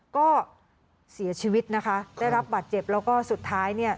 ก็เสียชีวิตนะคะได้รับบาดเจ็บแล้วก็สุดท้ายเนี่ย